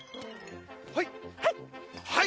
はい！